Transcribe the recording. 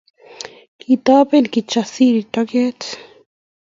Kitoben Kijasiri toget